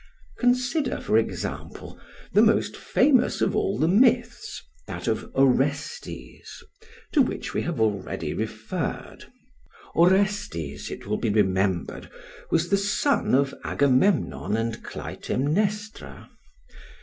Consider, for example, the most famous of all the myths, that of Orestes, to which we have already referred. Orestes, it will be remembered, was the son of Agamemnon and Clytemnestra.